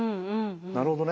なるほどね。